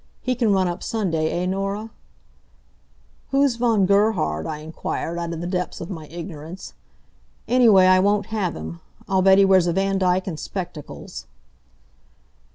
He can run up Sunday, eh, Norah?" "Who's Von Gerhard?" I inquired, out of the depths of my ignorance. "Anyway, I won't have him. I'll bet he wears a Vandyke and spectacles."